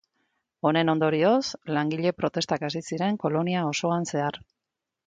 Honen ondorioz langile-protestak hasi ziren kolonia osoan zehar.